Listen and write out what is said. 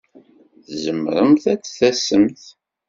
Tzemremt ad d-tasemt?